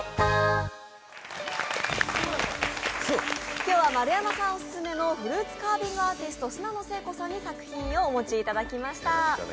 今日は丸山さんオススメのフルーツカービングアーティスト砂野聖子さんに作品をお持ちいただきました。